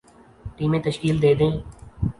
ٹیمیں تشکیل دے دیں